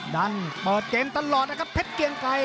ดังต่อเจนตลอดนะครับเพชรเกียงไก